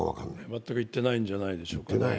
全くいっていないんじゃないでしょうか。